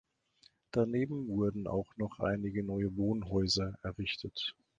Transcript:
Daneben wurden auch noch einige neue Wohnhäuser errichtet.